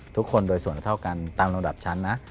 ทุกคนโดยส่วนเท่ากันตามลำดับชั้นนะ